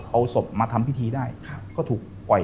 เอาศพมาทำพิธีได้ก็ถูกปล่อย